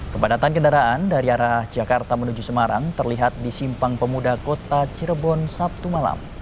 kepadatan kendaraan dari arah jakarta menuju semarang terlihat di simpang pemuda kota cirebon sabtu malam